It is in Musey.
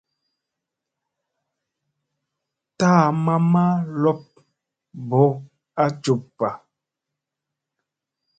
Taa mamma lob mɓo a jup pa.